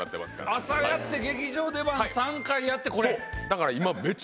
朝やって劇場出番３回やってこれ。